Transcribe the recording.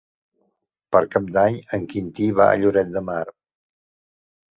Per Cap d'Any en Quintí va a Lloret de Mar.